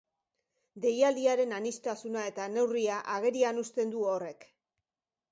Deialdiaren aniztasuna eta neurria agerian uzten du horrek.